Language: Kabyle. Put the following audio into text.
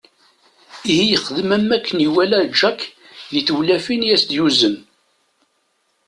Ihi yexdem am akken iwala Jack di tewlafin i as-d-yuzen.